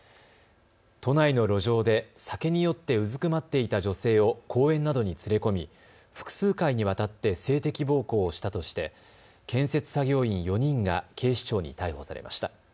都内の路上で酒に酔ってうずくまっていた女性を公園などに連れ込み複数回にわたって性的暴行をしたとして建設作業員４人が警視庁に逮捕されました。